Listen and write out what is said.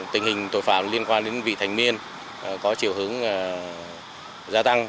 tình hình tội phạm liên quan đến vị thành niên có chiều hướng gia tăng